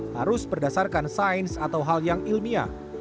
harus berdasarkan sains atau hal yang ilmiah